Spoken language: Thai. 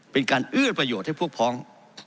เป็นการเอื้อประโยชน์ให้พวกพ้อง